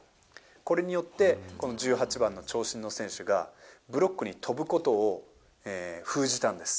これによって、この１８番の長身の選手が、ブロックに跳ぶことを封じたんです。